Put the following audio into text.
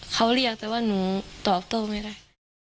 เขาเรียกแต่ว่าหนูตอบโต้ไม่ได้